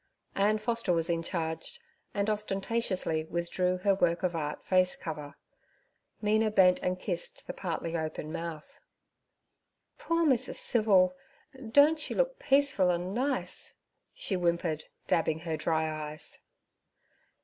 Ann Foster was in charge, and ostentatiously withdrew her work of art facecover. Mina bent and kissed the partly open mouth. 'Poor Mrs. Civil, don't she look peaceful an' nice?' she whimpered, dabbing her dry eyes.